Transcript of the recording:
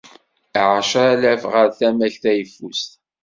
Ɛecra alaf ɣer tama-k tayeffust.